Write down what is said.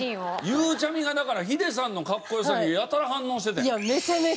ゆうちゃみがヒデさんのかっこよさにやたら反応してたやん。